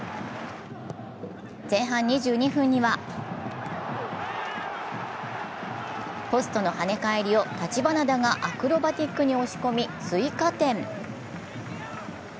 前半２２分にはポストの跳ね返りを橘田がアクロバティックに押し込み追加点。